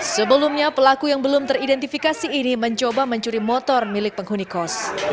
sebelumnya pelaku yang belum teridentifikasi ini mencoba mencuri motor milik penghuni kos